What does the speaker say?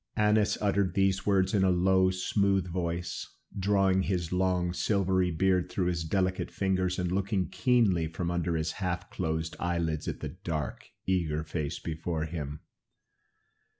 Annas uttered these words in a low, smooth voice, drawing his long silvery beard through his delicate fingers and looking keenly from under his half closed eyelids at the dark, eager face before him.